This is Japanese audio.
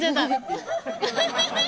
アハハハ！